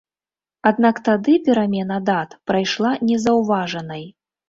Аднак тады перамена дат прайшла незаўважанай.